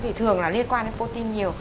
thì thường liên quan đến protein nhiều